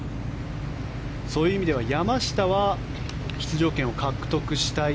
そういう意味では山下は出場権を獲得したい